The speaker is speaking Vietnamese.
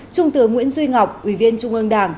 trung tướng nguyễn duy ngọc ủy viên trung ương đảng